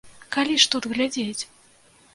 Калі ж тут глядзець?